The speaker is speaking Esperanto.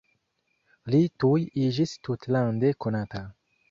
Li tuj iĝis tutlande konata.